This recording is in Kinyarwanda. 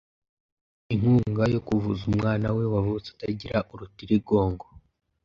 inkunga yo kuvuza umwana we wavutse atagira urutirigongo